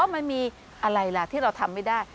มันมีอะไรล่ะที่เราทำไม่ได้